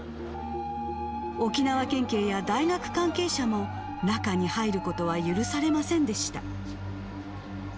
沖縄県警や大学関係者も、中に入ることは許されませんでした。